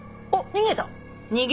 逃げた。